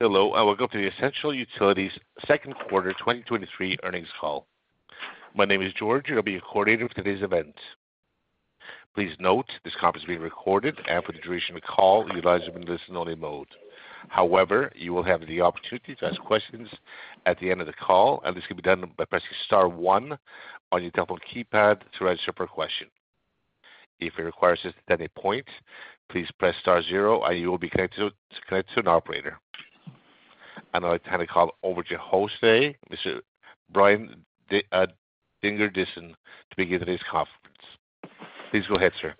Hello, welcome to the Essential Utilities Q2 2023 earnings call. My name is George, I'll be your coordinator for today's event. Please note, this conference is being recorded, for the duration of the call, you will be in listen-only mode. However, you will have the opportunity to ask questions at the end of the call, this can be done by pressing star 1 on your telephone keypad to register for a question. If you require assistance at any point, please press star 0, you will be connected to an operator. I'd now like to hand the call over to host today, Mr. Brian Dingerdissen, to begin today's conference. Please go ahead, sir.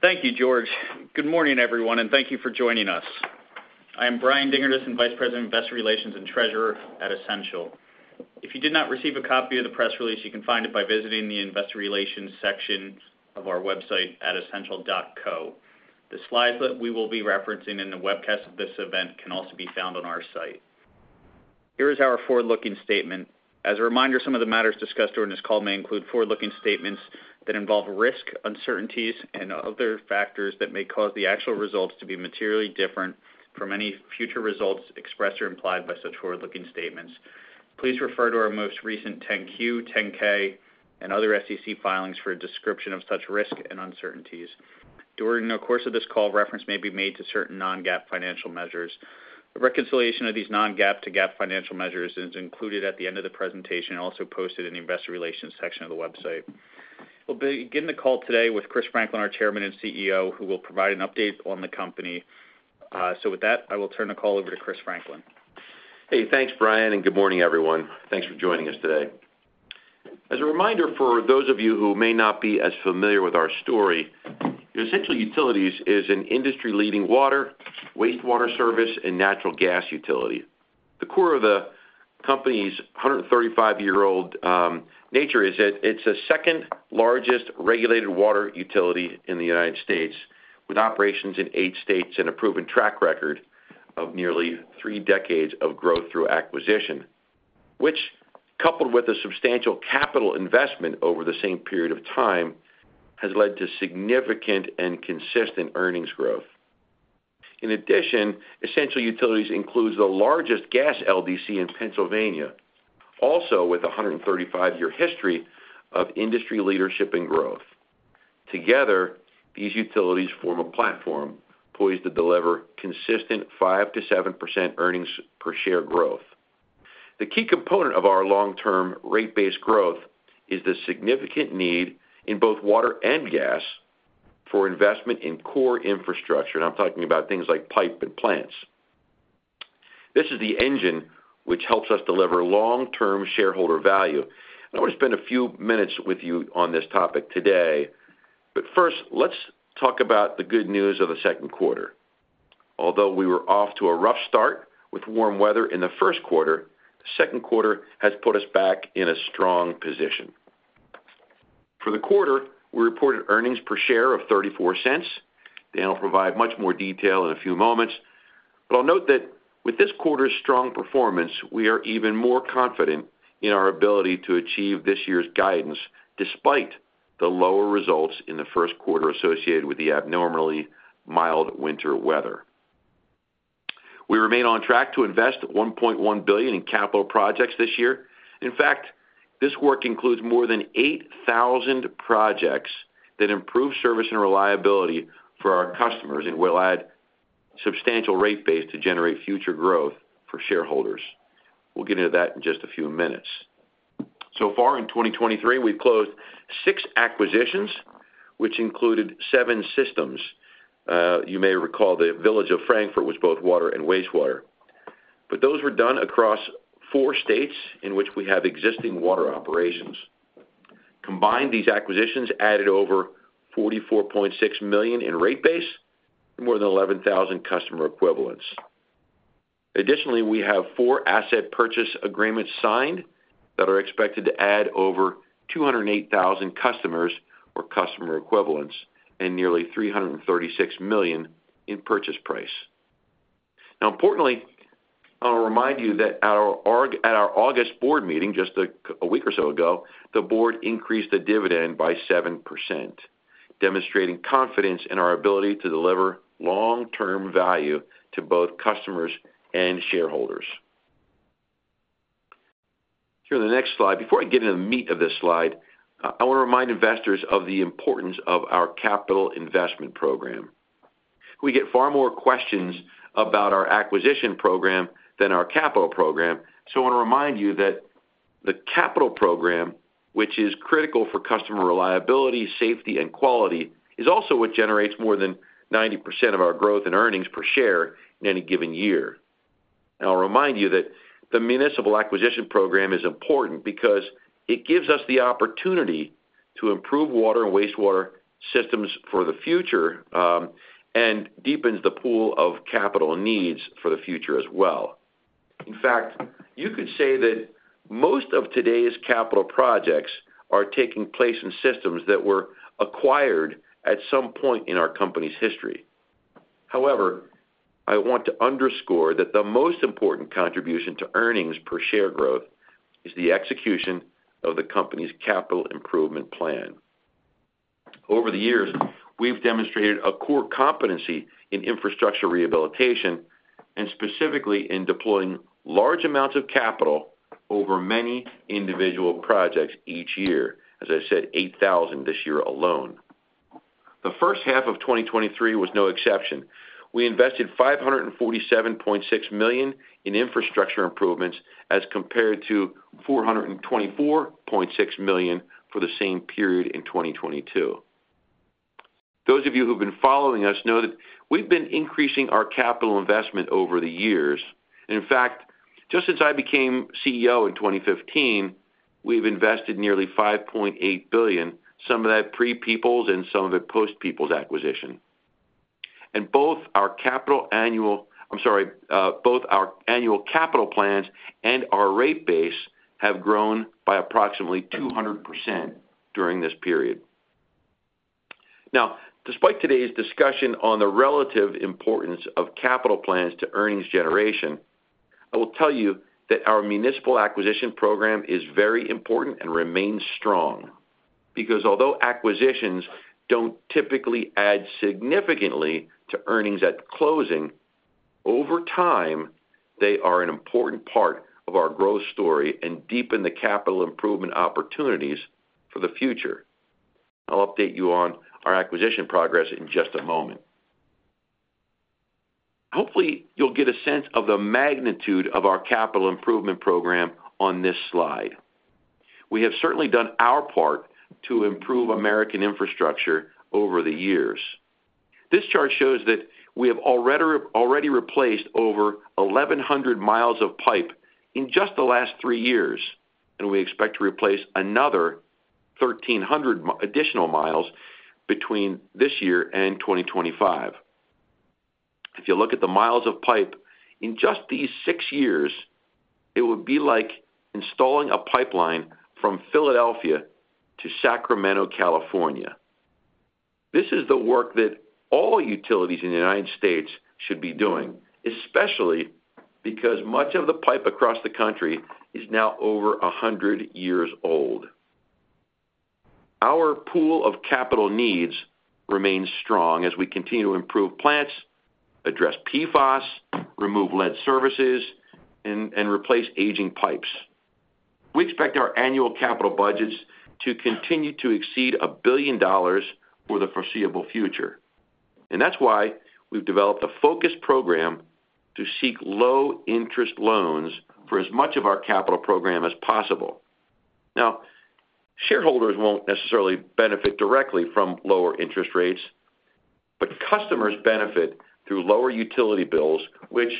Thank you, George. Good morning, everyone, thank you for joining us. I am Brian Dingerdissen, Vice President of Investor Relations and Treasurer at Essential. If you did not receive a copy of the press release, you can find it by visiting the Investor Relations section of our website at essential.co. The slides that we will be referencing in the webcast of this event can also be found on our site. Here is our forward-looking statement. As a reminder, some of the matters discussed during this call may include forward-looking statements that involve risk, uncertainties, and other factors that may cause the actual results to be materially different from any future results expressed or implied by such forward-looking statements. Please refer to our most recent 10-Q, 10-K, and other SEC filings for a description of such risk and uncertainties. During the course of this call, reference may be made to certain non-GAAP financial measures. A reconciliation of these non-GAAP to GAAP financial measures is included at the end of the presentation and also posted in the Investor Relations section of the website. We'll be beginning the call today with Chris Franklin, our Chairman and CEO, who will provide an update on the company. With that, I will turn the call over to Chris Franklin. Hey, thanks, Brian, good morning, everyone. Thanks for joining us today. As a reminder for those of you who may not be as familiar with our story, Essential Utilities is an industry-leading water, wastewater service, and natural gas utility. The core of the company's 135-year-old nature is that it's the second-largest regulated water utility in the U.S., with operations in 8 states and a proven track record of nearly 3 decades of growth through acquisition, which, coupled with a substantial capital investment over the same period of time, has led to significant and consistent earnings growth. Essential Utilities includes the largest gas LDC in Pennsylvania, also with a 135-year history of industry leadership and growth. Together, these utilities form a platform poised to deliver consistent 5%-7% EPS growth. The key component of our long-term rate-based growth is the significant need in both water and gas for investment in core infrastructure, and I'm talking about things like pipe and plants. This is the engine which helps us deliver long-term shareholder value. I want to spend a few minutes with you on this topic today, but first, let's talk about the good news of the Q2. Although we were off to a rough start with warm weather in the Q1, the Q2 has put us back in a strong position. For the quarter, we reported earnings per share of $0.34. Dan will provide much more detail in a few moments. I'll note that with this quarter's strong performance, we are even more confident in our ability to achieve this year's guidance, despite the lower results in the Q1 associated with the abnormally mild winter weather. We remain on track to invest $1.1 billion in capital projects this year. In fact, this work includes more than 8,000 projects that improve service and reliability for our customers and will add substantial rate base to generate future growth for shareholders. We'll get into that in just a few minutes. Far in 2023, we've closed six acquisitions, which included seven systems. You may recall the Village of Frankfort was both water and wastewater. Those were done across four states in which we have existing water operations. Combined, these acquisitions added over $44.6 million in rate base and more than 11,000 customer equivalents. Additionally, we have four asset purchase agreements signed that are expected to add over 208,000 customers or customer equivalents and nearly $336 million in purchase price. Importantly, I'll remind you that at our August board meeting, just a week or so ago, the board increased the dividend by 7%, demonstrating confidence in our ability to deliver long-term value to both customers and shareholders. Here in the next slide, before I get into the meat of this slide, I want to remind investors of the importance of our capital investment program. We get far more questions about our acquisition program than our capital program. I want to remind you that the capital program, which is critical for customer reliability, safety, and quality, is also what generates more than 90% of our growth in earnings per share in any given year. I'll remind you that the municipal acquisition program is important because it gives us the opportunity to improve water and wastewater systems for the future, and deepens the pool of capital needs for the future as well. In fact, you could say that most of today's capital projects are taking place in systems that were acquired at some point in our company's history. I want to underscore that the most important contribution to earnings per share growth is the execution of the company's capital improvement plan. Over the years, we've demonstrated a core competency in infrastructure rehabilitation, and specifically in deploying large amounts of capital over many individual projects each year. As I said, 8,000 this year alone. The first half of 2023 was no exception. We invested $547.6 million in infrastructure improvements, as compared to $424.6 million for the same period in 2022. Those of you who've been following us know that we've been increasing our capital investment over the years. In fact, just since I became CEO in 2015, we've invested nearly $5.8 billion, some of that pre-Peoples and some of it post-Peoples acquisition. Both our capital annual-- I'm sorry, both our annual capital plans and our rate base have grown by approximately 200% during this period. Despite today's discussion on the relative importance of capital plans to earnings generation, I will tell you that our municipal acquisition program is very important and remains strong. Although acquisitions don't typically add significantly to earnings at closing, over time, they are an important part of our growth story and deepen the capital improvement opportunities for the future. I'll update you on our acquisition progress in just a moment. Hopefully, you'll get a sense of the magnitude of our capital improvement program on this slide. We have certainly done our part to improve American infrastructure over the years. This chart shows that we have already replaced over 1,100 miles of pipe in just the last 3 years, and we expect to replace another 1,300 additional miles between this year and 2025. If you look at the miles of pipe, in just these six years, it would be like installing a pipeline from Philadelphia to Sacramento, California. This is the work that all utilities in the United States should be doing, especially because much of the pipe across the country is now over 100 years old. Our pool of capital needs remains strong as we continue to improve plants, address PFAS, remove lead services, and replace aging pipes. We expect our annual capital budgets to continue to exceed $1 billion for the foreseeable future. That's why we've developed a focused program to seek low-interest loans for as much of our capital program as possible. Now, shareholders won't necessarily benefit directly from lower interest rates. Customers benefit through lower utility bills, which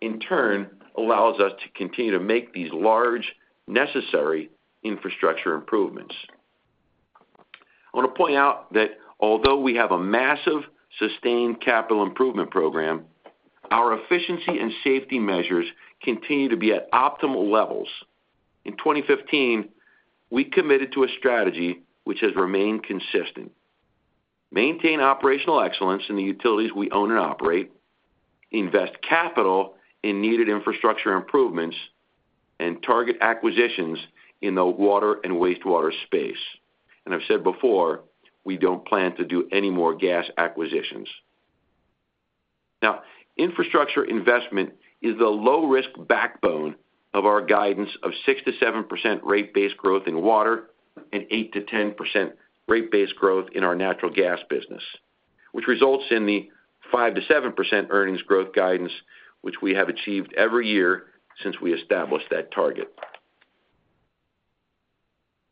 in turn allows us to continue to make these large, necessary infrastructure improvements. I want to point out that although we have a massive sustained capital improvement program, our efficiency and safety measures continue to be at optimal levels. In 2015, we committed to a strategy which has remained consistent: maintain operational excellence in the utilities we own and operate, invest capital in needed infrastructure improvements, and target acquisitions in the water and wastewater space. I've said before, we don't plan to do any more gas acquisitions. Infrastructure investment is the low-risk backbone of our guidance of 6%-7% rate base growth in water and 8%-10% rate base growth in our natural gas business, which results in the 5%-7% earnings growth guidance, which we have achieved every year since we established that target.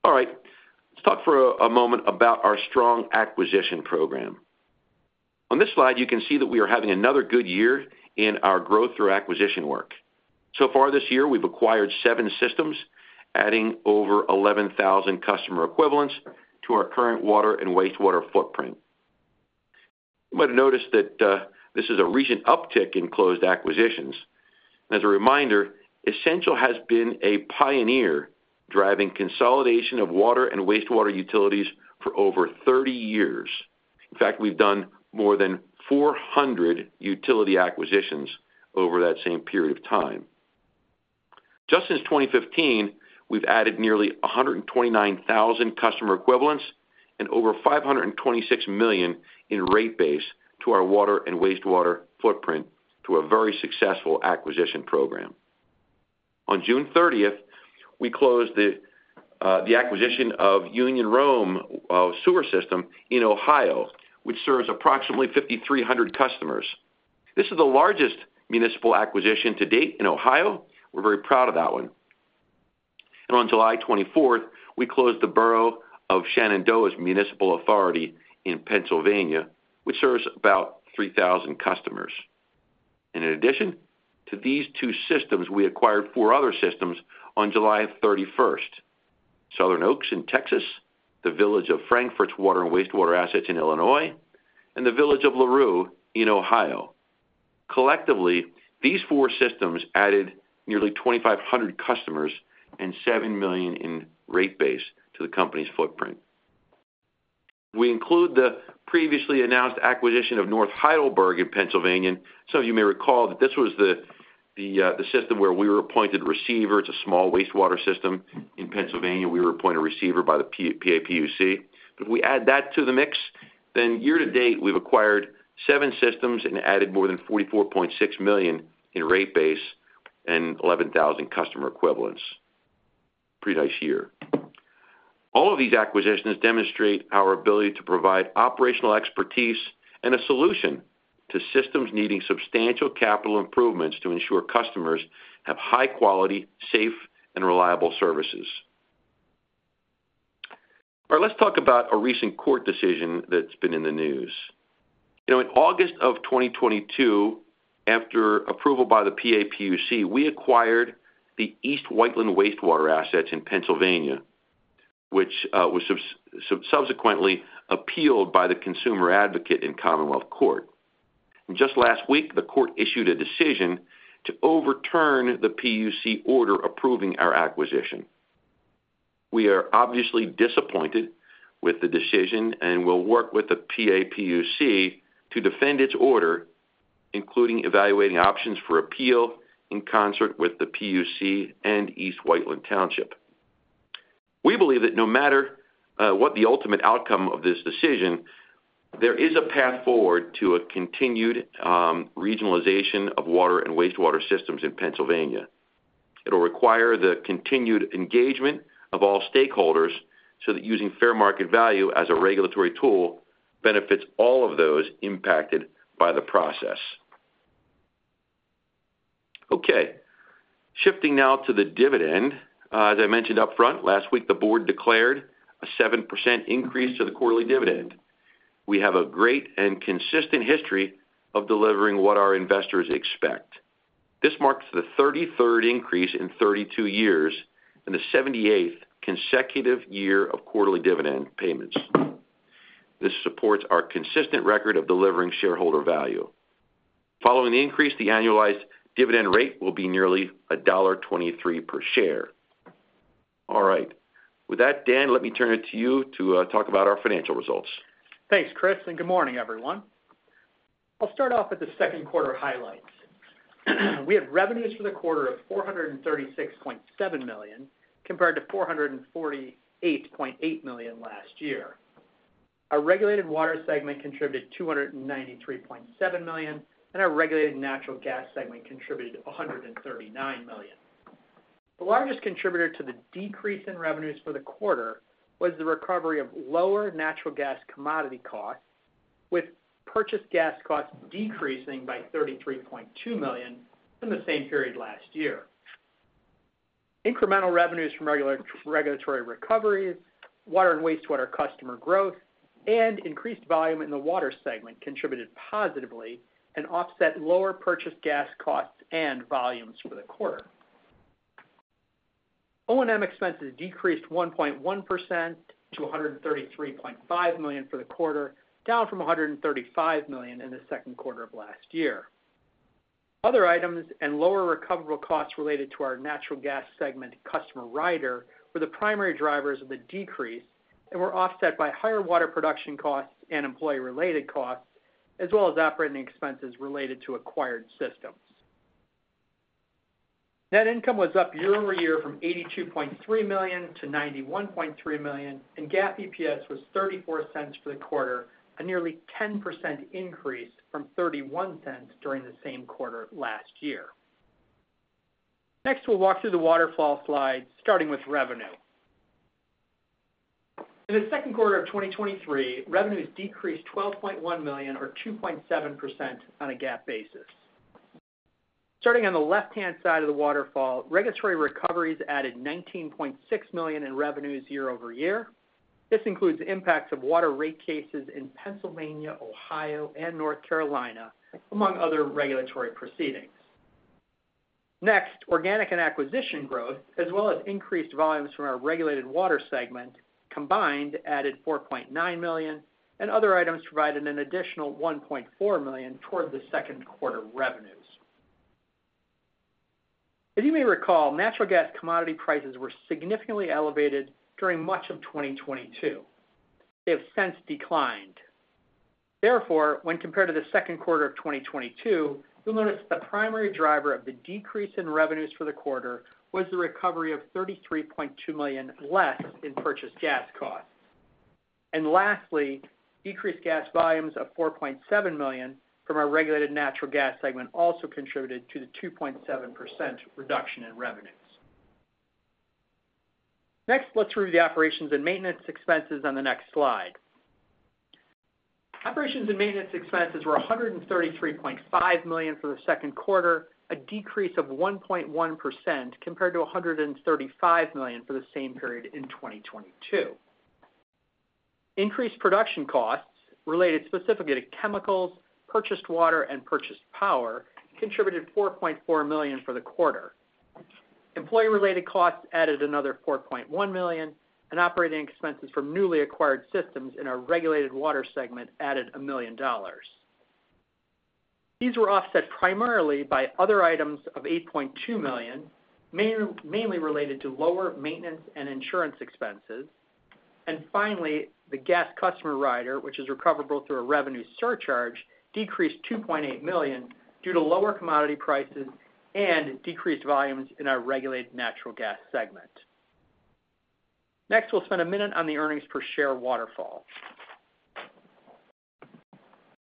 All right. Let's talk for a moment about our strong acquisition program. On this slide, you can see that we are having another good year in our growth through acquisition work. Far this year, we've acquired seven systems, adding over 11,000 customer equivalents to our current water and wastewater footprint. You might have noticed that this is a recent uptick in closed acquisitions. As a reminder, Essential has been a pioneer, driving consolidation of water and wastewater utilities for over 30 years. In fact, we've done more than 400 utility acquisitions over that same period of time. Just since 2015, we've added nearly 129,000 customer equivalents and over $526 million in rate base to our water and wastewater footprint through a very successful acquisition program. On June 30th, we closed the acquisition of Union-Rome sewer system in Ohio, which serves approximately 5,300 customers. This is the largest municipal acquisition to date in Ohio. We're very proud of that one. On July 24th, we closed the Borough of Shenandoah's Municipal Authority in Pennsylvania, which serves about 3,000 customers. In addition to these 2 systems, we acquired 4 other systems on July 31st: Southern Oaks in Texas, the Village of Frankfort's water and wastewater assets in Illinois, and the Village of LaRue in Ohio. Collectively, these 4 systems added nearly 2,500 customers and $7 million in rate base to the company's footprint. We include the previously announced acquisition of North Heidelberg in Pennsylvania, some of you may recall that this was the system where we were appointed receiver. It's a small wastewater system in Pennsylvania. We were appointed receiver by the PA PUC. If we add that to the mix, year-to-date, we've acquired 7 systems and added more than $44.6 million in rate base and 11,000 customer equivalents. Pretty nice year. All of these acquisitions demonstrate our ability to provide operational expertise and a solution to systems needing substantial capital improvements to ensure customers have high-quality, safe, and reliable services. All right, let's talk about a recent court decision that's been in the news. You know, in August 2022, after approval by the PA PUC, we acquired the East Whiteland wastewater assets in Pennsylvania, which was subsequently appealed by the Office of Consumer Advocate in Commonwealth Court. Just last week, the court issued a decision to overturn the PUC order approving our acquisition. We are obviously disappointed with the decision and will work with the PA PUC to defend its order, including evaluating options for appeal in concert with the PUC and East Whiteland Township. We believe that no matter what the ultimate outcome of this decision, there is a path forward to a continued regionalization of water and wastewater systems in Pennsylvania. It'll require the continued engagement of all stakeholders, so that using fair market value as a regulatory tool benefits all of those impacted by the process. Okay, shifting now to the dividend. As I mentioned upfront, last week, the board declared a 7% increase to the quarterly dividend. We have a great and consistent history of delivering what our investors expect. This marks the 33rd increase in 32 years and the 78th consecutive year of quarterly dividend payments. This supports our consistent record of delivering shareholder value. Following the increase, the annualized dividend rate will be nearly $1.23 per share. All right. With that, Dan, let me turn it to you to talk about our financial results. Thanks, Chris, good morning, everyone. I'll start off with the Q2 highlights. We had revenues for the quarter of $436.7 million, compared to $448.8 million last year. Our regulated water segment contributed $293.7 million, and our regulated natural gas segment contributed $139 million. The largest contributor to the decrease in revenues for the quarter was the recovery of lower natural gas commodity costs, with purchased gas costs decreasing by $33.2 million from the same period last year. Incremental revenues from regulatory recoveries, water and wastewater customer growth, and increased volume in the water segment contributed positively and offset lower purchased gas costs and volumes for the quarter. O&M expenses decreased 1.1% to $133.5 million for the quarter, down from $135 million in the Q2 of last year. Other items and lower recoverable costs related to our natural gas segment customer rider were the primary drivers of the decrease and were offset by higher water production costs and employee-related costs, as well as operating expenses related to acquired systems. Net income was up year-over-year from $82.3 million to $91.3 million, and GAAP EPS was $0.34 for the quarter, a nearly 10% increase from $0.31 during the same quarter last year. Next, we'll walk through the waterfall slide, starting with revenue. In the Q2 of 2023, revenues decreased $12.1 million, or 2.7% on a GAAP basis. Starting on the left-hand side of the waterfall, regulatory recoveries added $19.6 million in revenues year-over-year. This includes the impacts of water rate cases in Pennsylvania, Ohio, and North Carolina, among other regulatory proceedings. Next, organic and acquisition growth, as well as increased volumes from our regulated water segment, combined, added $4.9 million, and other items provided an additional $1.4 million toward the Q2 revenues. As you may recall, natural gas commodity prices were significantly elevated during much of 2022. They have since declined. Therefore, when compared to the Q2 of 2022, you'll notice the primary driver of the decrease in revenues for the quarter was the recovery of $33.2 million less in purchased gas costs. Lastly, decreased gas volumes of $4.7 million from our regulated natural gas segment also contributed to the 2.7% reduction in revenues. Next, let's review the operations and maintenance expenses on the next slide. Operations and maintenance expenses were $133.5 million for the Q2, a decrease of 1.1% compared to $135 million for the same period in 2022. Increased production costs related specifically to chemicals, purchased water, and purchased power contributed $4.4 million for the quarter. Employee-related costs added another $4.1 million, and operating expenses from newly acquired systems in our regulated water segment added $1 million. These were offset primarily by other items of $8.2 million, mainly related to lower maintenance and insurance expenses. Finally, the gas customer rider, which is recoverable through a revenue surcharge, decreased $2.8 million due to lower commodity prices and decreased volumes in our regulated natural gas segment. Next, we'll spend a minute on the earnings per share waterfall.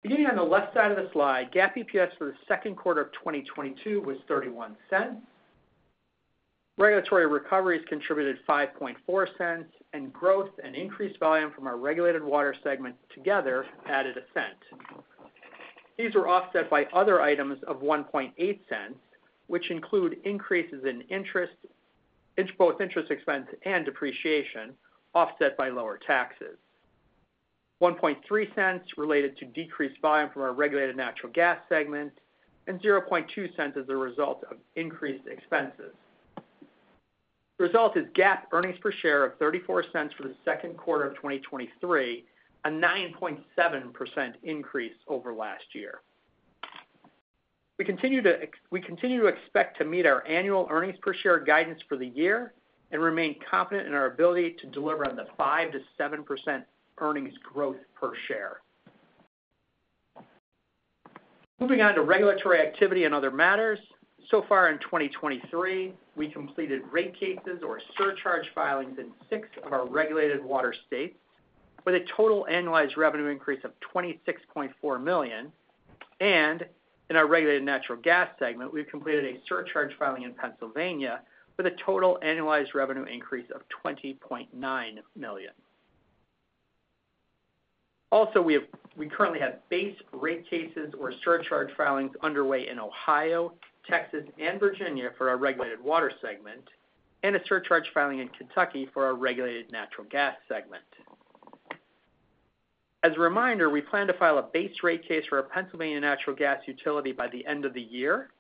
Beginning on the left side of the slide, GAAP EPS for the Q2 of 2022 was $0.31. Regulatory recoveries contributed $0.054, and growth and increased volume from our regulated water segment together added $0.01. These were offset by other items of $0.018, which include increases in interest, both interest expense and depreciation, offset by lower taxes. $0.013 related to decreased volume from our regulated natural gas segment, and $0.002 as a result of increased expenses. The result is GAAP earnings per share of $0.34 for the Q2 of 2023, a 9.7% increase over last year. We continue to expect to meet our annual earnings per share guidance for the year and remain confident in our ability to deliver on the 5%-7% earnings growth per share. Moving on to regulatory activity and other matters. So far in 2023, we completed rate cases or surcharge filings in six of our regulated water states, with a total annualized revenue increase of $26.4 million. In our regulated natural gas segment, we've completed a surcharge filing in Pennsylvania with a total annualized revenue increase of $20.9 million. We currently have base rate cases or surcharge filings underway in Ohio, Texas, and Virginia for our regulated water segment, and a surcharge filing in Kentucky for our regulated natural gas segment. As a reminder, we plan to file a base rate case for our Pennsylvania natural gas utility by the end of the year.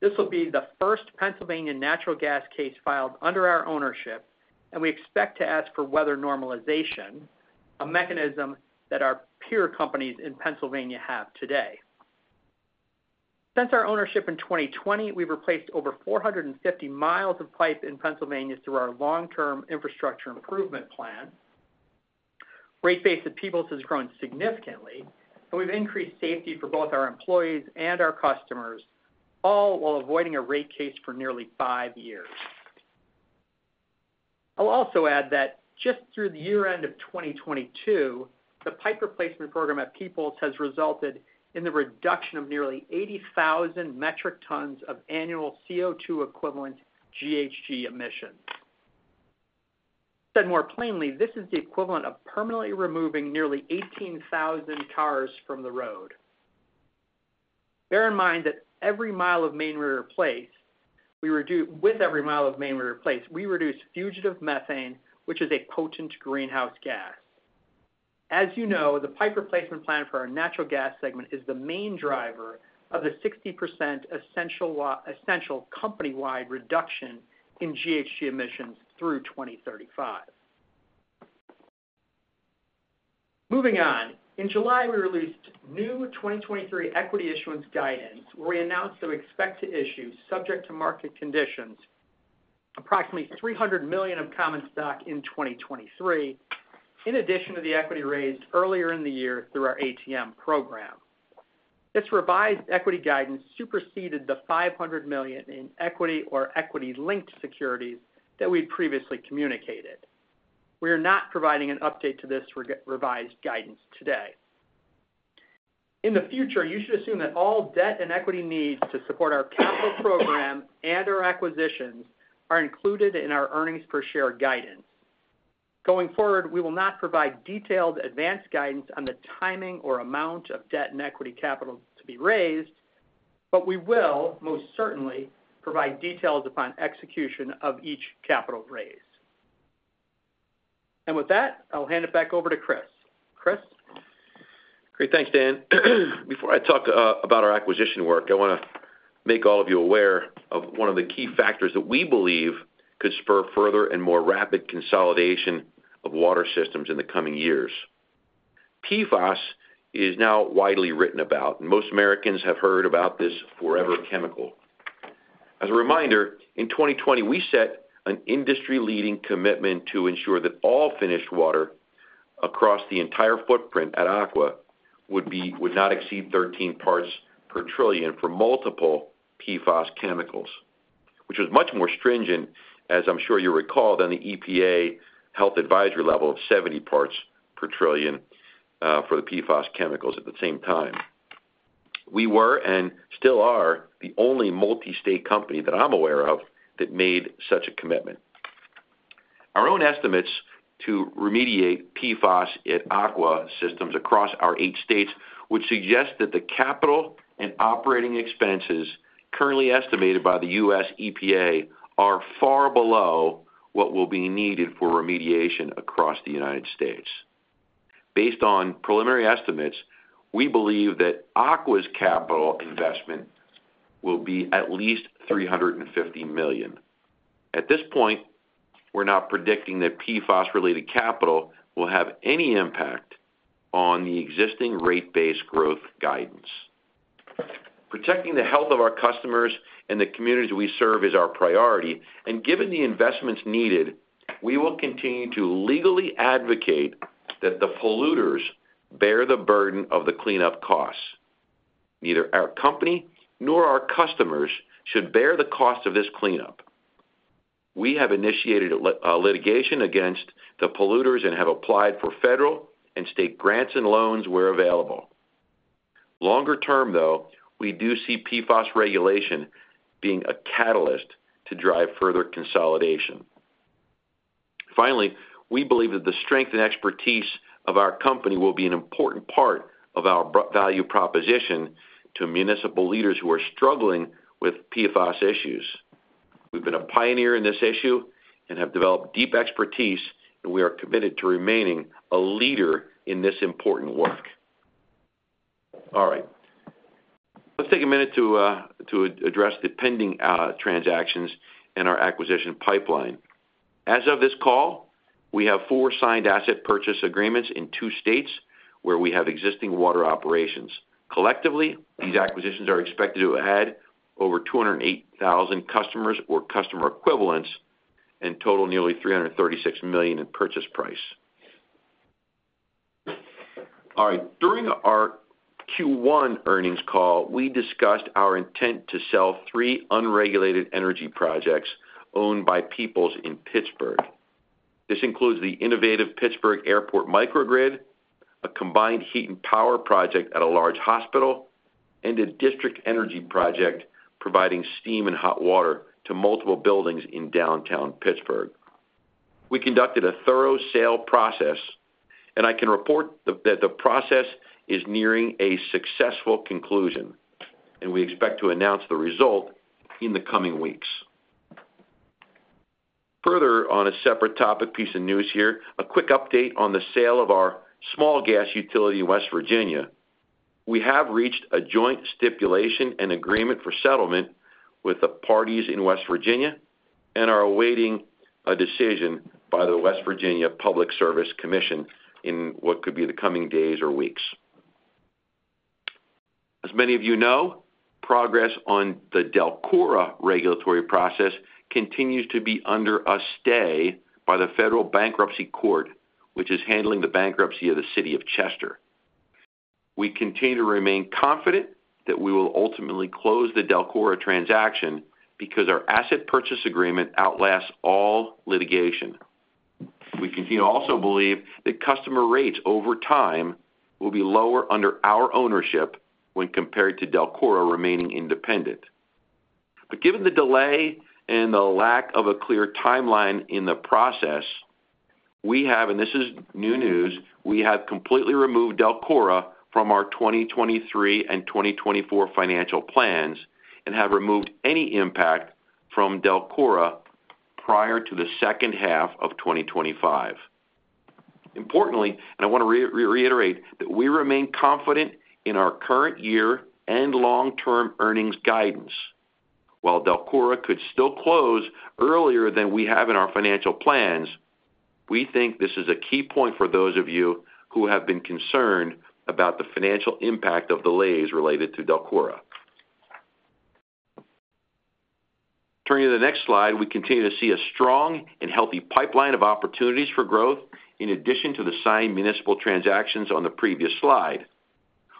This will be the first Pennsylvania natural gas case filed under our ownership, and we expect to ask for weather normalization, a mechanism that our peer companies in Pennsylvania have today. Since our ownership in 2020, we've replaced over 450 miles of pipe in Pennsylvania through our long-term infrastructure improvement plan. Rate base at Peoples has grown significantly, and we've increased safety for both our employees and our customers, all while avoiding a rate case for nearly 5 years. I'll also add that just through the year end of 2022, the pipe replacement program at Peoples has resulted in the reduction of nearly 80,000 metric tons of annual CO2-equivalent GHG emissions. Said more plainly, this is the equivalent of permanently removing nearly 18,000 cars from the road. Bear in mind that with every mile of main we replace, we reduce fugitive methane, which is a potent greenhouse gas. As you know, the pipe replacement plan for our natural gas segment is the main driver of the 60% Essential company-wide reduction in GHG emissions through 2035. Moving on. In July, we released new 2023 equity issuance guidance, where we announced that we expect to issue, subject to market conditions, approximately $300 million of common stock in 2023, in addition to the equity raised earlier in the year through our ATM program. This revised equity guidance superseded the $500 million in equity or equity-linked securities that we previously communicated. We are not providing an update to this revised guidance today. In the future, you should assume that all debt and equity needs to support our capital program and our acquisitions are included in our earnings per share guidance. Going forward, we will not provide detailed advanced guidance on the timing or amount of debt and equity capital to be raised, but we will most certainly provide details upon execution of each capital raise. With that, I'll hand it back over to Chris. Chris? Great. Thanks, Dan. Before I talk about our acquisition work, I want to make all of you aware of one of the key factors that we believe could spur further and more rapid consolidation of water systems in the coming years. PFAS is now widely written about, most Americans have heard about this forever chemical. As a reminder, in 2020, we set an industry-leading commitment to ensure that all finished water across the entire footprint at Aqua would not exceed 13 parts per trillion for multiple PFAS chemicals, which was much more stringent, as I'm sure you recall, than the EPA health advisory level of 70 parts per trillion for the PFAS chemicals at the same time. We were, and still are, the only multi-state company that I'm aware of, that made such a commitment. Our own estimates to remediate PFAS at Aqua systems across our 8 states would suggest that the capital and operating expenses currently estimated by the US EPA are far below what will be needed for remediation across the United States. Based on preliminary estimates, we believe that Aqua's capital investment will be at least $350 million. At this point, we're not predicting that PFAS-related capital will have any impact on the existing rate base growth guidance. Protecting the health of our customers and the communities we serve is our priority, and given the investments needed, we will continue to legally advocate that the polluters bear the burden of the cleanup costs. Neither our company nor our customers should bear the cost of this cleanup. We have initiated a litigation against the polluters and have applied for federal and state grants and loans where available. Longer term, though, we do see PFAS regulation being a catalyst to drive further consolidation. Finally, we believe that the strength and expertise of our company will be an important part of our value proposition to municipal leaders who are struggling with PFAS issues. We've been a pioneer in this issue and have developed deep expertise, and we are committed to remaining a leader in this important work. All right. Let's take a minute to address the pending transactions in our acquisition pipeline. As of this call, we have 4 signed asset purchase agreements in 2 states where we have existing water operations. Collectively, these acquisitions are expected to add over 208,000 customers or customer equivalents and total nearly $336 million in purchase price. All right, during our Q1 earnings call, we discussed our intent to sell three unregulated energy projects owned by Peoples in Pittsburgh. This includes the innovative Pittsburgh Airport microgrid, a combined heat and power project at a large hospital, and a district energy project providing steam and hot water to multiple buildings in downtown Pittsburgh. We conducted a thorough sale process, and I can report that the process is nearing a successful conclusion, and we expect to announce the result in the coming weeks. Further, on a separate topic, piece of news here, a quick update on the sale of our small gas utility in West Virginia. We have reached a joint stipulation and agreement for settlement with the parties in West Virginia and are awaiting a decision by the West Virginia Public Service Commission in what could be the coming days or weeks. As many of you know, progress on the DELCORA regulatory process continues to be under a stay by the Federal Bankruptcy Court, which is handling the bankruptcy of the city of Chester. We continue to remain confident that we will ultimately close the DELCORA transaction because our asset purchase agreement outlasts all litigation. We continue to also believe that customer rates over time will be lower under our ownership when compared to DELCORA remaining independent. Given the delay and the lack of a clear timeline in the process, we have, and this is new news, we have completely removed DELCORA from our 2023 and 2024 financial plans and have removed any impact from DELCORA prior to the second half of 2025. Importantly, I want to reiterate that we remain confident in our current year and long-term earnings guidance. While DELCORA could still close earlier than we have in our financial plans, we think this is a key point for those of you who have been concerned about the financial impact of delays related to DELCORA. Turning to the next slide, we continue to see a strong and healthy pipeline of opportunities for growth in addition to the signed municipal transactions on the previous slide.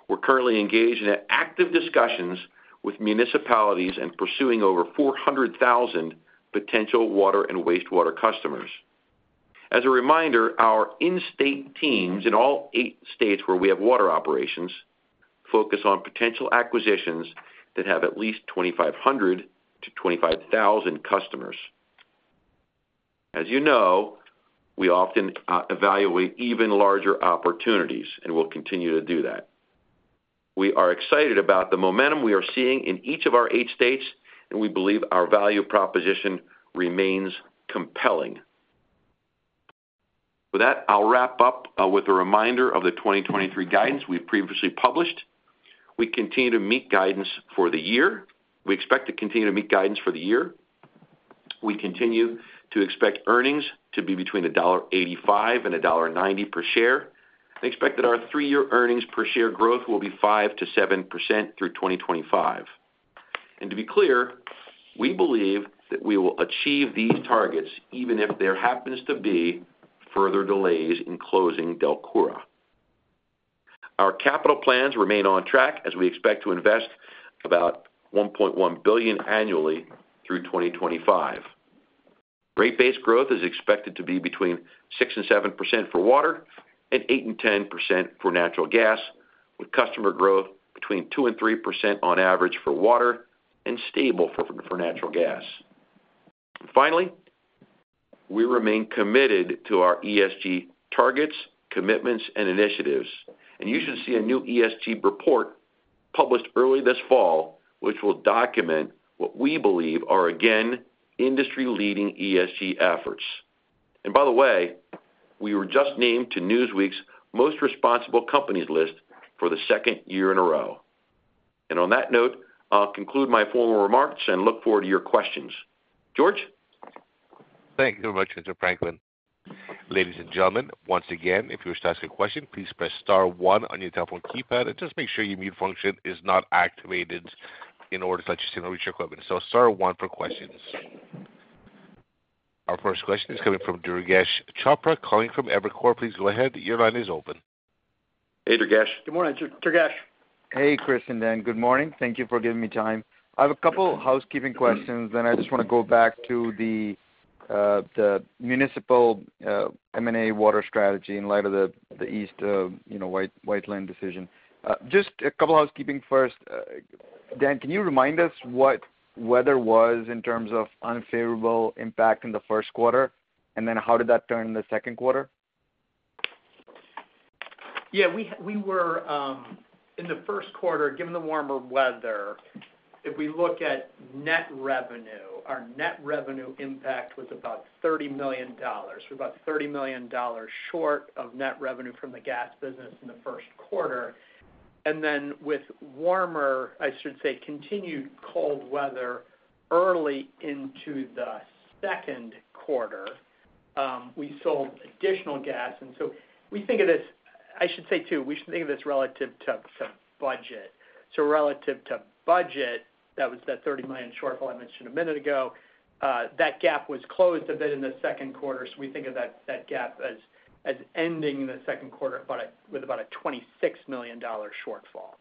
We're currently engaged in active discussions with municipalities and pursuing over 400,000 potential water and wastewater customers. As a reminder, our in-state teams in all eight states where we have water operations, focus on potential acquisitions that have at least 2,500 to 25,000 customers. As you know, we often evaluate even larger opportunities, and we'll continue to do that. We are excited about the momentum we are seeing in each of our eight states, and we believe our value proposition remains compelling. With that, I'll wrap up with a reminder of the 2023 guidance we previously published. We continue to meet guidance for the year. We expect to continue to meet guidance for the year. We continue to expect earnings to be between $1.85 and $1.90 per share. I expect that our three-year earnings per share growth will be 5%-7% through 2025. To be clear, we believe that we will achieve these targets even if there happens to be further delays in closing DELCORA. Our capital plans remain on track as we expect to invest about $1.1 billion annually through 2025. Rate-based growth is expected to be between 6% and 7% for water and 8% and 10% for natural gas, with customer growth between 2% and 3% on average for water and stable for natural gas. Finally, we remain committed to our ESG targets, commitments, and initiatives, and you should see a new ESG report published early this fall, which will document what we believe are, again, industry-leading ESG efforts. By the way, we were just named to Newsweek's Most Responsible Companies list for the 2nd year in a row. On that note, I'll conclude my formal remarks and look forward to your questions. George? Thank you very much, Mr. Franklin. Ladies and gentlemen, once again, if you wish to ask a question, please press star one on your telephone keypad, and just make sure your mute function is not activated in order to let you reach your equipment. Star one for questions. Our first question is coming from Durgesh Chopra from Evercore. Please go ahead. Your line is open. Hey, Durgesh. Good morning, Durgesh. Hey, Chris, and Dan, good morning. Thank you for giving me time. I have a couple housekeeping questions, then I just want to go back to the municipal M&A water strategy in light of the East, you know, Whiteland decision. Just a couple housekeeping first. Dan, can you remind us what weather was in terms of unfavorable impact in the Q1, and then how did that turn in the Q2? Yeah, we, we were in the Q1, given the warmer weather, if we look at net revenue, our net revenue impact was about $30 million. We're about $30 million short of net revenue from the gas business in the Q1. With warmer, I should say, continued cold weather early into the Q2, we sold additional gas. We think of this, I should say, too, we should think of this relative to, to budget. Relative to budget, that was that $30 million shortfall I mentioned a minute ago, that gap was closed a bit in the Q2, so we think of that, that gap as, as ending in the Q2, with about a $26 million shortfall.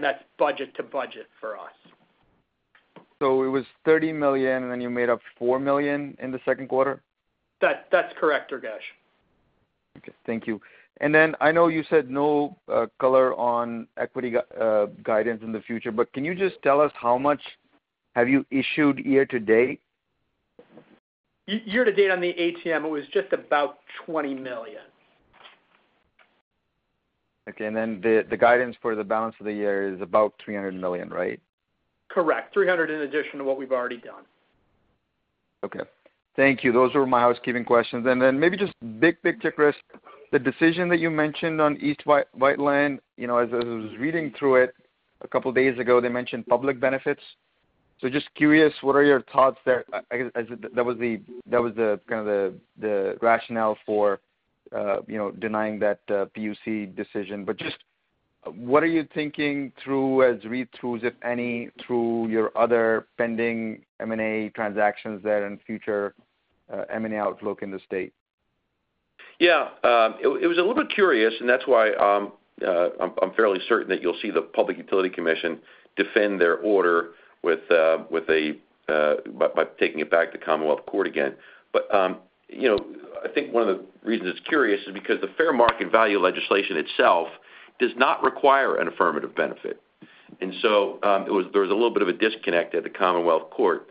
That's budget to budget for us. It was $30 million, and then you made up $4 million in the Q2? That, that's correct, Durgesh. Okay, thank you. I know you said no color on equity guidance in the future, but can you just tell us how much have you issued year to date? Year to date on the ATM, it was just about $20 million. Okay, then the, the guidance for the balance of the year is about $300 million, right? Correct. 300 in addition to what we've already done. Okay. Thank you. Those were my housekeeping questions. Maybe just big, big picture, Chris, the decision that you mentioned on East Whiteland, you know, as I was reading through it a couple days ago, they mentioned public benefits. Just curious, what are your thoughts there? I guess, as that was the, that was the kind of the, the rationale for, you know, denying that PUC decision. Just what are you thinking through as you read through, if any, through your other pending M&A transactions there and future M&A outlook in the state? Yeah. It was a little bit curious, that's why, I'm fairly certain that you'll see the Public Utility Commission defend their order with a by taking it back to Commonwealth Court again. You know, I think one of the reasons it's curious is because the fair market value legislation itself does not require an affirmative benefit. There was a little bit of a disconnect at the Commonwealth Court.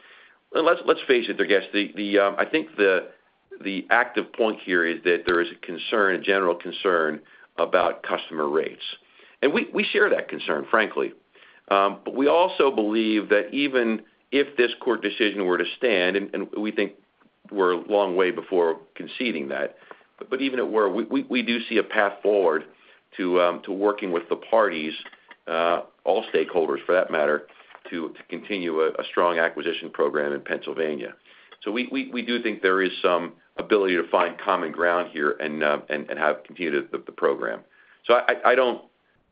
Let's face it, Durgesh, the I think the active point here is that there is a concern, a general concern about customer rates. We share that concern, frankly. We also believe that even if this court decision were to stand, and, and we think we're a long way before conceding that, but even it were, we, we, we do see a path forward to working with the parties, all stakeholders for that matter, to continue a strong acquisition program in Pennsylvania. We, we, we do think there is some ability to find common ground here and, and have continued the program. I, I, I don't,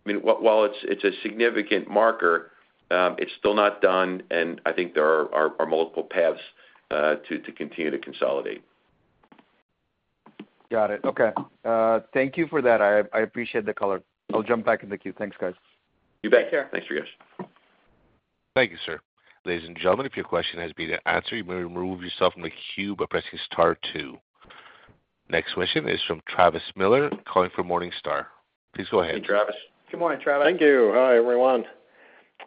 I mean, while it's, it's a significant marker, it's still not done, and I think there are multiple paths to continue to consolidate. Got it. Okay. Thank you for that. I, I appreciate the color. I'll jump back in the queue. Thanks, guys. You bet. Take care. Thanks, Durgesh. Thank you, sir. Ladies and gentlemen, if your question has been answered, you may remove yourself from the queue by pressing star 2. Next question is from Travis Miller, calling from Morningstar. Please go ahead. Hey, Travis. Good morning, Travis. Thank you. Hi, everyone.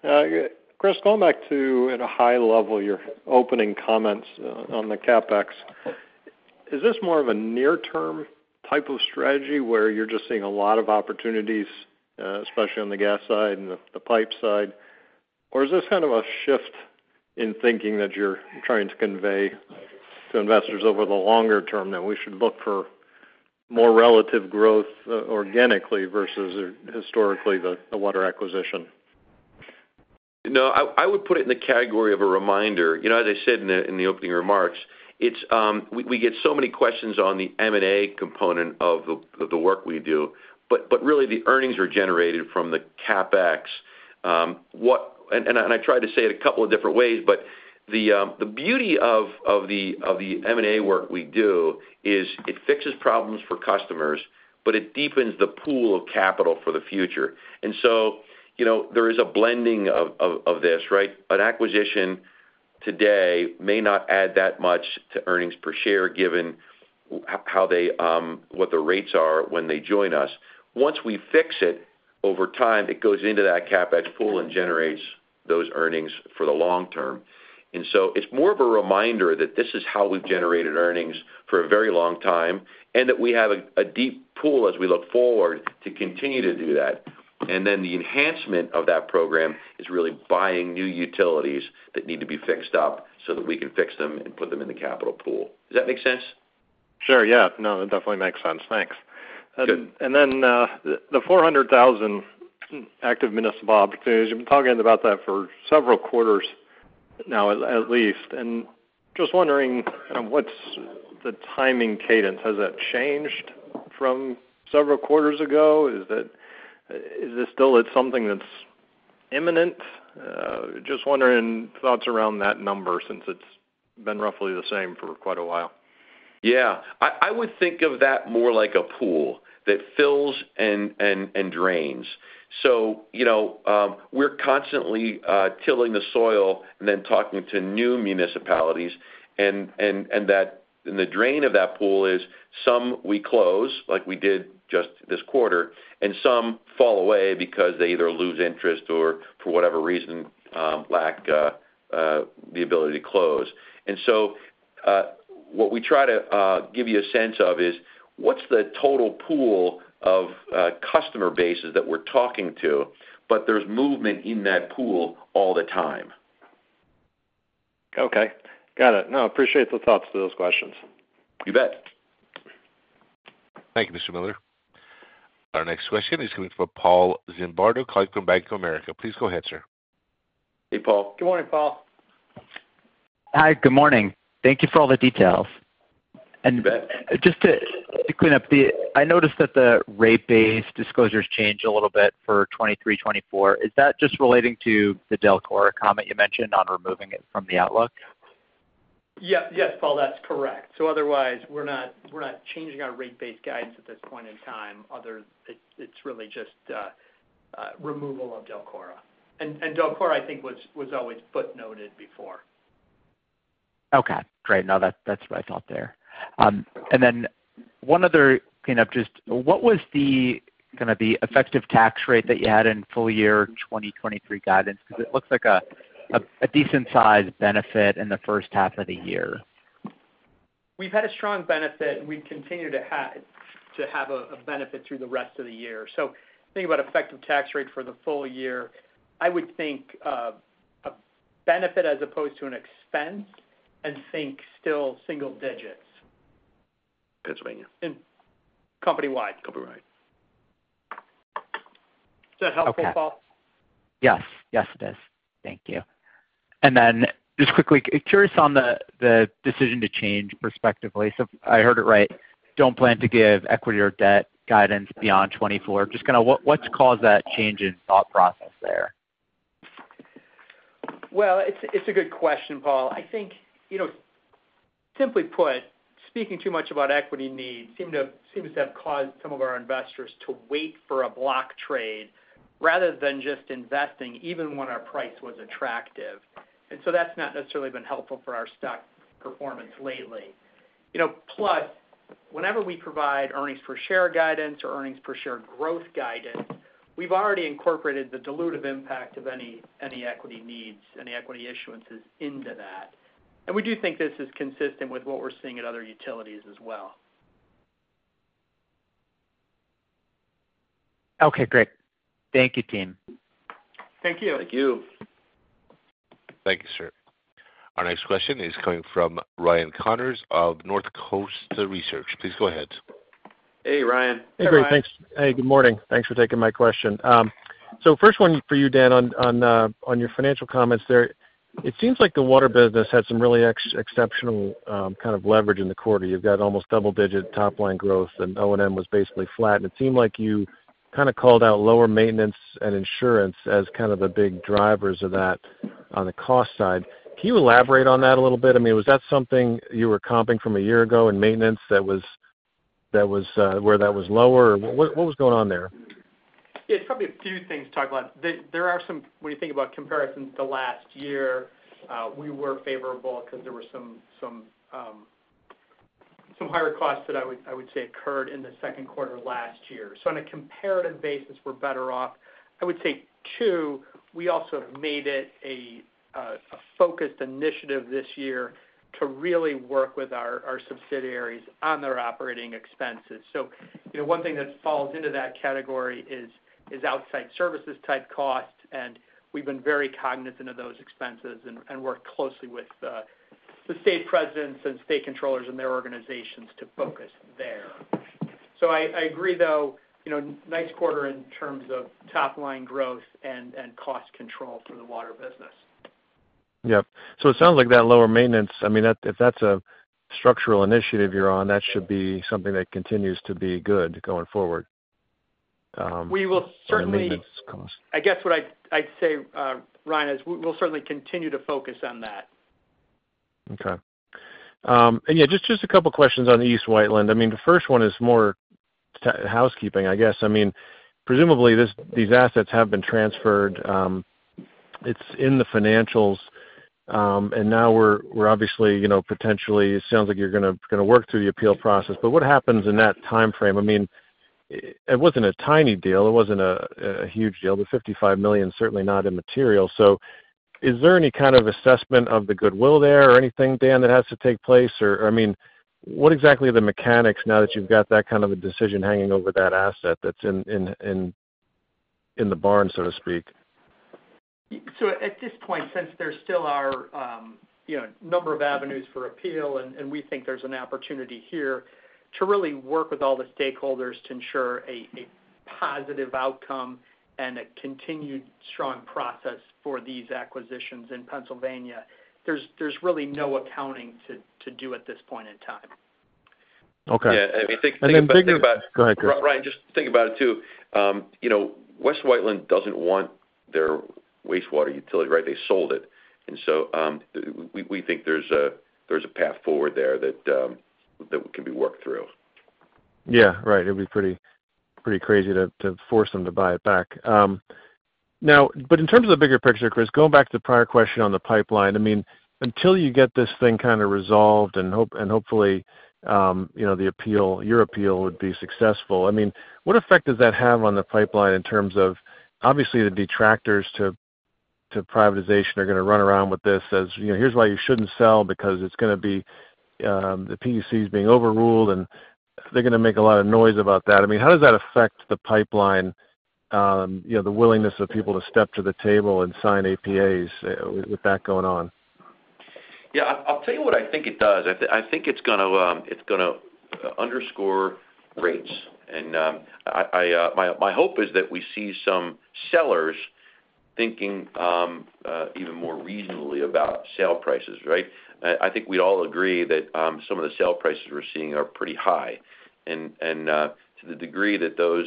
Chris, going back to, at a high level, your opening comments on, on the Capex. Is this more of a near-term type of strategy, where you're just seeing a lot of opportunities, especially on the gas side and the, the pipe side? Or is this kind of a shift in thinking that you're trying to convey to investors over the longer term that we should look for more relative growth organically versus historically, the, the water acquisition? No, I, I would put it in the category of a reminder. You know, as I said in the, in the opening remarks, it's. We, we get so many questions on the M&A component of the, the work we do, but, but really the earnings are generated from the Capex. I tried to say it a couple of different ways, but the beauty of, of the, of the M&A work we do is it fixes problems for customers, but it deepens the pool of capital for the future. So you know, there is a blending of, of, of this, right? An acquisition today may not add that much to earnings per share, given h- how they, what the rates are when they join us. Once we fix it, over time, it goes into that Capex pool and generates those earnings for the long term. So it's more of a reminder that this is how we've generated earnings for a very long time, and that we have a, a deep pool as we look forward to continue to do that. Then the enhancement of that program is really buying new utilities that need to be fixed up, so that we can fix them and put them in the capital pool. Does that make sense? Sure. Yeah, no, it definitely makes sense. Thanks. Good. Then, the 400,000 active municipal opportunities, you've been talking about that for several quarters now, at, at least. Just wondering, what's the timing cadence? Has that changed from several quarters ago? Is it, is it still it's something that's imminent? Just wondering, thoughts around that number, since it's been roughly the same for quite a while. Yeah, I, I would think of that more like a pool that fills and, and, and drains. You know, we're constantly tilling the soil and then talking to new municipalities, and the drain of that pool is some we close, like we did just this quarter, and some fall away because they either lose interest or, for whatever reason, lack the ability to close. What we try to give you a sense of is, what's the total pool of customer bases that we're talking to? But there's movement in that pool all the time. Okay, got it. No, appreciate the thoughts to those questions. You bet. Thank you, Mr. Miller. Our next question is coming from Paul Zimbardo from Bank of America. Please go ahead, sir. Hey, Paul. Good morning, Paul. Hi, good morning. Thank you for all the details. You bet. Just to clean up. I noticed that the rate base disclosures changed a little bit for 2023, 2024. Is that just relating to the DELCORA comment you mentioned on removing it from the outlook? Yep. Yes, Paul, that's correct. Otherwise, we're not, we're not changing our rate base guidance at this point in time. It's, it's really just removal of DELCORA. DELCORA, I think, was, was always footnoted before. Okay, great. No, that, that's what I thought there. One other cleanup, just what was the, kind of, the effective tax rate that you had in full year 2023 guidance? Because it looks like a decent-sized benefit in the first half of the year. We've had a strong benefit. We continue to have a benefit through the rest of the year. Think about effective tax rate for the full year, I would think of a benefit as opposed to an expense, and think still single digits. Good to hear. Company-wide. Company-wide. Does that help, Paul? Okay. Yes. Yes, it does. Thank you. Then, just quickly, curious on the decision to change perspectively. I heard it right, don't plan to give equity or debt guidance beyond 2024. Just kind of what, what's caused that change in thought process there? Well, it's, it's a good question, Paul. I think, you know, simply put, speaking too much about equity needs seems to have caused some of our investors to wait for a block trade rather than just investing, even when our price was attractive. That's not necessarily been helpful for our stock performance lately. You know, plus, whenever we provide earnings per share guidance or earnings per share growth guidance, we've already incorporated the dilutive impact of any, any equity needs, any equity issuances into that. We do think this is consistent with what we're seeing at other utilities as well. Okay, great. Thank you, team. Thank you. Thank you. Thank you, sir. Our next question is coming from Ryan Connors of Northcoast Research. Please go ahead. Hey, Ryan. Hey, Ryan. Hey, great, thanks. Hey, good morning. Thanks for taking my question. First one for you, Dan, on, on, on your financial comments there, it seems like the water business had some really ex- exceptional, kind of leverage in the quarter. You've got almost double-digit top-line growth, O&M was basically flat. It seemed like you kind of called out lower maintenance and insurance as kind of the big drivers of that on the cost side. Can you elaborate on that a little bit? I mean, was that something you were comping from a year ago in maintenance that was, that was, where that was lower? What, what was going on there? Yeah, it's probably a few things to talk about. There are some when you think about comparisons to last year, we were favorable because there were some higher costs that I would say occurred in the Q2 of last year. On a comparative basis, we're better off. I would say, 2, we also have made it a focused initiative this year to really work with our subsidiaries on their operating expenses. You know, one thing that falls into that category is outside services type costs, and we've been very cognizant of those expenses and work closely with the state presidents and state controllers and their organizations to focus there. I agree, though, you know, nice quarter in terms of top-line growth and cost control for the water business. Yep. It sounds like that lower maintenance, I mean, if that's a structural initiative you're on, that should be something that continues to be good going forward. We will certainly. On the maintenance cost. I guess what I'd, I'd say, Ryan, is we'll certainly continue to focus on that. Okay. Yeah, just, just a couple questions on East Whiteland. I mean, the first one is more housekeeping, I guess. I mean, presumably, this, these assets have been transferred. It's in the financials, and now we're, we're obviously, you know, potentially, it sounds like you're gonna work through the appeal process. What happens in that timeframe? I mean, it wasn't a tiny deal, it wasn't a, a huge deal, but $55 million, certainly not immaterial. Is there any kind of assessment of the goodwill there or anything, Dan, that has to take place? I mean, what exactly are the mechanics now that you've got that kind of a decision hanging over that asset that's in, in, in, in the barn, so to speak? At this point, since there still are, you know, number of avenues for appeal, and, and we think there's an opportunity here to really work with all the stakeholders to ensure a, a positive outcome and a continued strong process for these acquisitions in Pennsylvania. There's, there's really no accounting to, to do at this point in time. Okay. Yeah, I mean, think about. Go ahead, Chris. Ryan, just think about it, too. You know, West Whiteland doesn't want their wastewater utility, right? They sold it. So, we, we think there's a, there's a path forward there that can be worked through. Yeah, right. It'd be pretty, pretty crazy to, to force them to buy it back. Now, but in terms of the bigger picture, Chris, going back to the prior question on the pipeline, I mean, until you get this thing kind of resolved and hopefully, you know, the appeal, your appeal would be successful. I mean, what effect does that have on the pipeline in terms of obviously, the detractors to, to privatization are going to run around with this, as, you know, here's why you shouldn't sell, because it's going to be, the PUC is being overruled, and they're going to make a lot of noise about that. I mean, how does that affect the pipeline, you know, the willingness of people to step to the table and sign APAs with that going on? Yeah, I'll tell you what I think it does. I think it's gonna underscore rates. I, I, my, my hope is that we see some sellers thinking even more reasonably about sale prices, right? I, I think we'd all agree that some of the sale prices we're seeing are pretty high. To the degree that those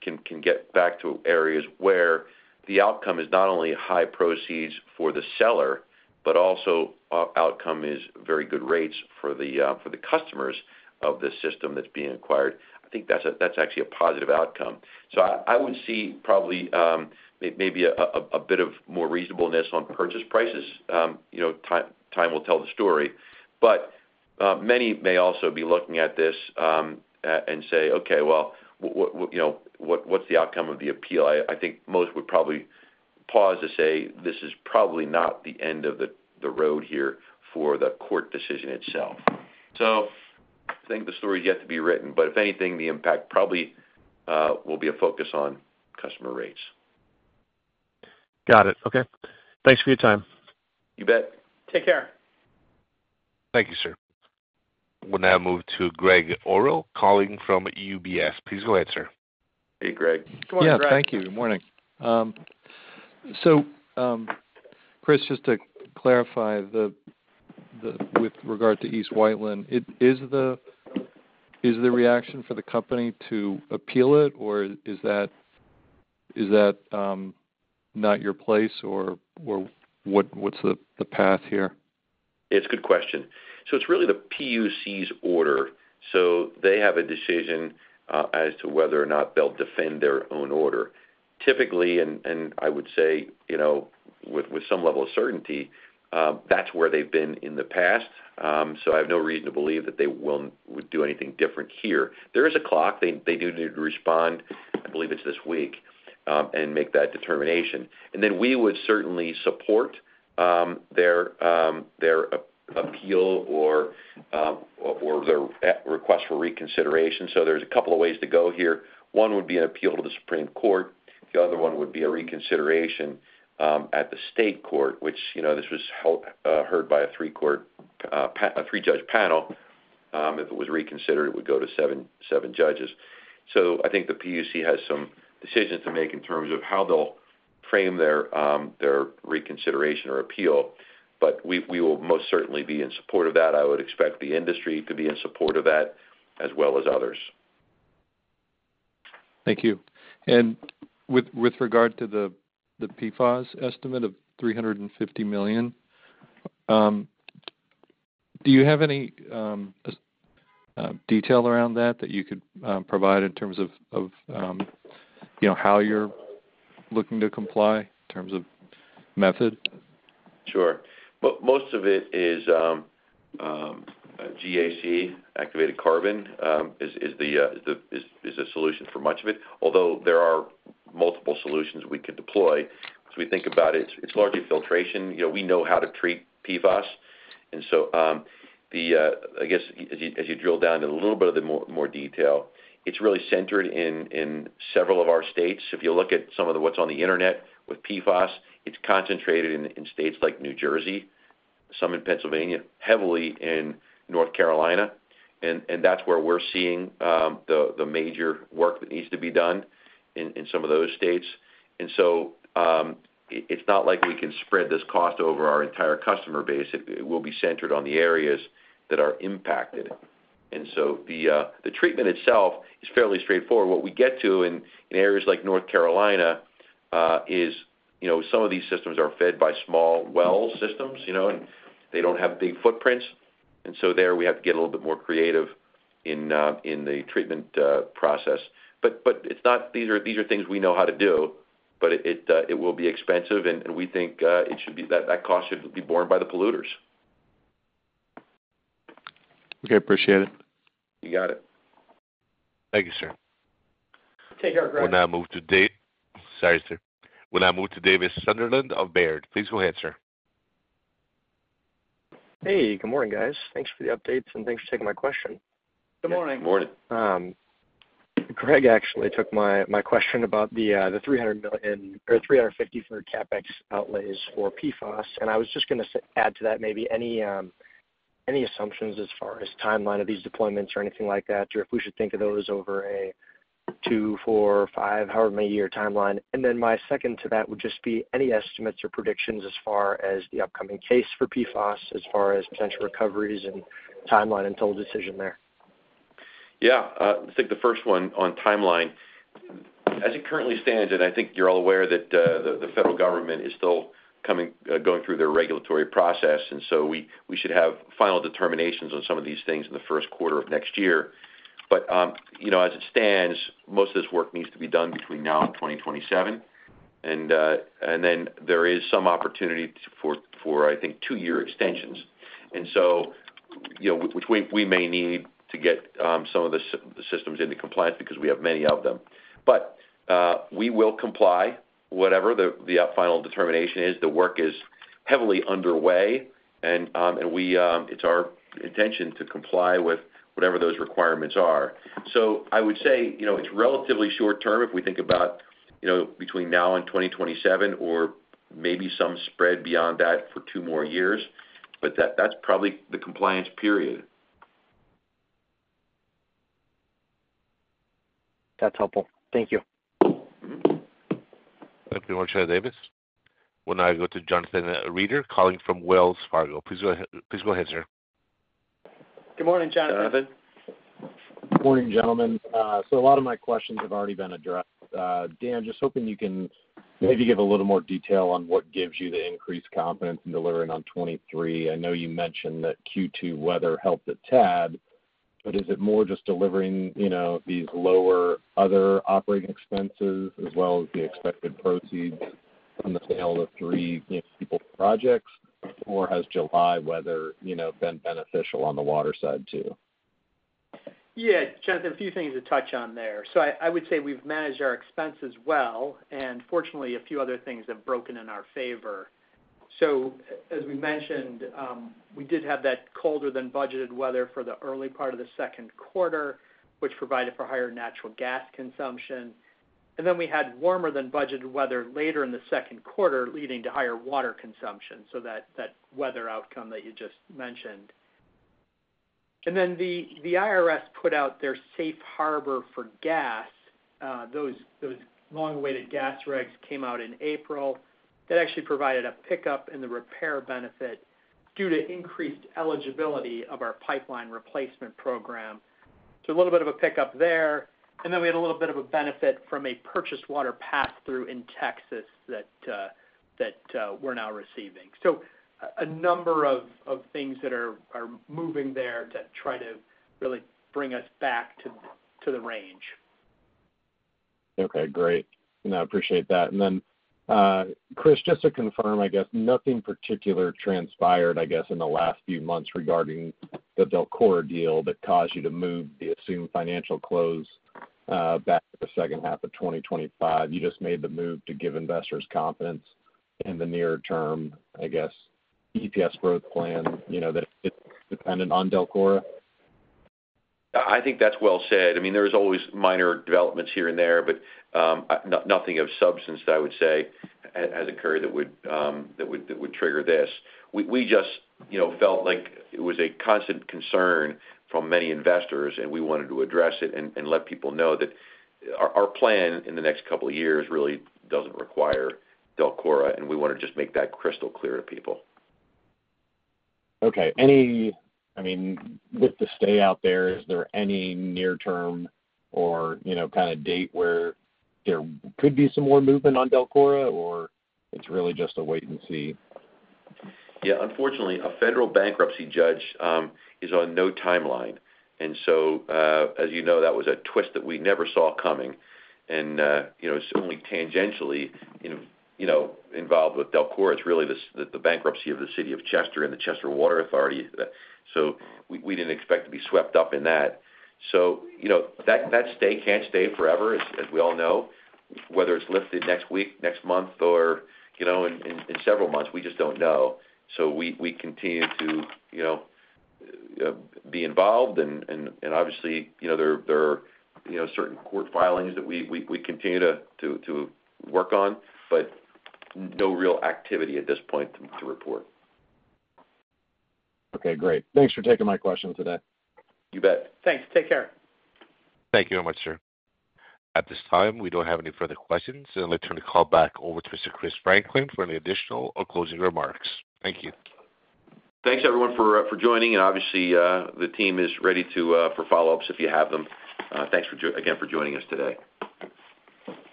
can get back to areas where the outcome is not only high proceeds for the seller, but also outcome is very good rates for the for the customers of this system that's being acquired. I think that's a that's actually a positive outcome. I, I would see probably maybe a bit of more reasonableness on purchase prices. You know, time, time will tell the story, but many may also be looking at this and say, "Okay, well, what, what, you know, what, what's the outcome of the appeal?" I, I think most would probably pause to say, this is probably not the end of the, the road here for the court decision itself. I think the story is yet to be written, but if anything, the impact probably will be a focus on customer rates. Got it. Okay. Thanks for your time. You bet. Take care. Thank you, sir. We'll now move to Gregg Orrill calling from UBS. Please go ahead, sir. Hey, Greg. Good morning, Greg. Thank you. Good morning. Chris, just to clarify the with regard to East Whiteland, is the reaction for the company to appeal it, or is that not your place, or what's the path here? It's a good question. It's really the PUC's order, so they have a decision as to whether or not they'll defend their own order. Typically, and, and I would say, you know, with, with some level of certainty, that's where they've been in the past. So I have no reason to believe that they would do anything different here. There is a clock. They, they do need to respond, I believe, it's this week, and make that determination. And then we would certainly support their appeal or their request for reconsideration. There's a couple of ways to go here. One would be an appeal to the Supreme Court. The other one would be a reconsideration at the state court, which, you know, this was held heard by a three-judge panel. If it was reconsidered, it would go to seven, seven judges. So I think the PUC has some decisions to make in terms of how they'll frame their reconsideration or appeal, but we, we will most certainly be in support of that. I would expect the industry to be in support of that as well as others. Thank you. With regard to the PFAS estimate of $350 million, do you have any detail around that, that you could provide in terms of, you know, how you're looking to comply in terms of method? Sure. Well, most of it is GAC, activated carbon, is a solution for much of it, although there are multiple solutions we could deploy. As we think about it, it's largely filtration. You know, we know how to treat PFAS, so, I guess as you, as you drill down to a little bit of the more, more detail, it's really centered in, in several of our states. If you look at some of the what's on the internet with PFAS, it's concentrated in, in states like New Jersey, some in Pennsylvania, heavily in North Carolina, and that's where we're seeing the major work that needs to be done in, in some of those states. So, it's not like we can spread this cost over our entire customer base. It, it will be centered on the areas that are impacted. The, the treatment itself is fairly straightforward. What we get to in, in areas like North Carolina, is, you know, some of these systems are fed by small well systems, you know, and they don't have big footprints. There, we have to get a little bit more creative in, in the treatment, process. It's not, these are, these are things we know how to do, but it, it, it will be expensive, and, and we think, it should be that, that cost should be borne by the polluters. Okay, appreciate it. You got it. Thank you, sir. Take care, Greg. We'll now move to Dave... Sorry, sir. We'll now move to Davis Sunderland of Baird. Please go ahead, sir. Hey, good morning, guys. Thanks for the updates. Thanks for taking my question. Good morning. Good morning. Greg actually took my, my question about the $300 million or $350 million for Capex outlays for PFAS, and I was just going to add to that maybe any, any assumptions as far as timeline of these deployments or anything like that, or if we should think of those over a 2, 4, 5, however, many year timeline. Then my second to that would just be any estimates or predictions as far as the upcoming case for PFAS, as far as potential recoveries and timeline until decision there? Yeah, I think the first one on timeline, as it currently stands, and I think you're all aware that the federal government is still going through their regulatory process, so we should have final determinations on some of these things in the Q1 of next year. You know, as it stands, most of this work needs to be done between now and 2027. Then there is some opportunity for, for, I think, 2-year extensions. So, you know, which we may need to get some of the systems into compliance because we have many of them. We will comply whatever the final determination is. The work is heavily underway, and we... It's our intention to comply with whatever those requirements are. I would say, you know, it's relatively short term if we think about, you know, between now and 2027, or maybe some spread beyond that for 2 more years, but that, that's probably the compliance period. That's helpful. Thank you. Thank you very much, Davis Sunderland. We'll now go to Jonathan Reeder, calling from Wells Fargo. Please go ahead, sir. Good morning, Jonathan. Jonathan? Morning, gentlemen. A lot of my questions have already been addressed. Dan, just hoping you can maybe give a little more detail on what gives you the increased confidence in delivering on 23. I know you mentioned that Q2 weather helped a tad, but is it more just delivering, you know, these lower other operating expenses as well as the expected proceeds from the sale of three SUMMIT projects, or has July weather, you know, been beneficial on the water side, too? Yeah, Jonathan, a few things to touch on there. I, I would say we've managed our expenses well, and fortunately, a few other things have broken in our favor. As we mentioned, we did have that colder than budgeted weather for the early part of the Q2, which provided for higher natural gas consumption. Then we had warmer than budgeted weather later in the Q2, leading to higher water consumption, so that, that weather outcome that you just mentioned. Then the, the IRS put out their safe harbor for gas, those, those long-awaited gas regs came out in April. That actually provided a pickup in the repair benefit due to increased eligibility of our pipeline replacement program. A little bit of a pickup there. Then we had a little bit of a benefit from a purchased water pass-through in Texas that, that we're now receiving. A number of things that are moving there to try to really bring us back to the range. Okay, great. And I appreciate that. Chris, just to confirm, I guess, nothing particular transpired, I guess, in the last few months regarding the DELCORA deal that caused you to move the assumed financial close back to the second half of 2025. You just made the move to give investors confidence in the near term, I guess, EPS growth plan, you know, that it's dependent on DELCORA? I, I think that's well said. I mean, there's always minor developments here and there, but nothing of substance that I would say has occurred that would trigger this. We, we just, you know, felt like it was a constant concern from many investors, and we wanted to address it and let people know that our, our plan in the next couple of years really doesn't require DELCORA, and we want to just make that crystal clear to people. Okay, I mean, with the stay out there, is there any near-term or, you know, kind of date where there could be some more movement on DELCORA, or it's really just a wait and see? Yeah, unfortunately, a federal bankruptcy judge is on no timeline. As you know, that was a twist that we never saw coming. You know, it's only tangentially, you know, you know, involved with DELCORA. It's really the bankruptcy of the city of Chester and the Chester Water Authority. We, we didn't expect to be swept up in that. You know, that, that stay can't stay forever, as, as we all know. Whether it's lifted next week, next month, or, you know, in, in, in several months, we just don't know. We, we continue to, you know, be involved, and, and, and obviously, you know, there, there are, you know, certain court filings that we, we, we continue to, to, to work on, but no real activity at this point to, to report. Okay, great. Thanks for taking my question today. You bet. Thanks. Take care. Thank you very much, sir. At this time, we don't have any further questions. I'd like to turn the call back over to Mr. Chris Franklin for any additional or closing remarks. Thank you. Thanks, everyone, for for joining. Obviously, the team is ready to for follow-ups if you have them. Thanks for again, for joining us today.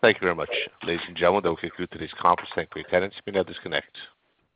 Thank you very much. Ladies and gentlemen, that will conclude today's conference. Thank you for your attendance. You may now disconnect.